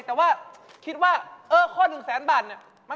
แต่ว่าคิดว่าเออข้อ๑แสนบาทเนี่ย